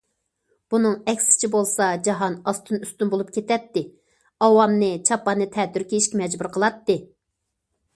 بۇنىڭ ئەكسىچە بولسا جاھان ئاستىن- ئۈستۈن بولۇپ كېتەتتى، ئاۋامنى چاپاننى تەتۈر كىيىشكە مەجبۇر قىلاتتى.